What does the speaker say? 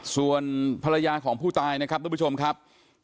ส่วนภรรยาของผู้ตายนะครับทุกผู้ชมครับ